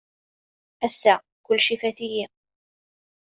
Ass-a kullec ifat-iyi.